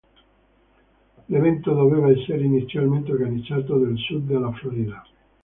L'evento doveva essere inizialmente organizzato nel sud della Florida.